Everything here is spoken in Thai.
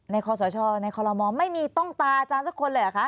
คอสชในคอลโมไม่มีต้องตาอาจารย์สักคนเลยเหรอคะ